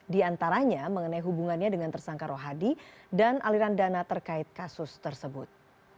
di antaranya mengenai hubungannya dengan tersangka rohadi dan aliran dana terkait kasus tersebut